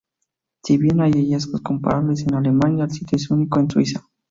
Si bien hay hallazgos comparables en Alemania, el sitio es único en Suiza.